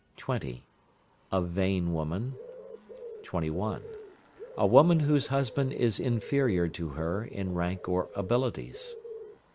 20. A vain woman. 21. A woman whose husband is inferior to her in rank or abilities.